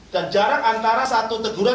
dan jarak antara satu teguran